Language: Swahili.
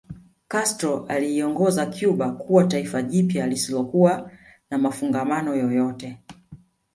Castro aliiongoza Cuba kuwa taifa jipya lisilokuwa na mafungamano yoyote